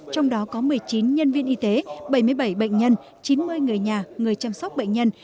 trong đó có một mươi chín nhân viên y tế bảy mươi bảy bệnh nhân chín mươi người nhà người chăm sóc bệnh nhân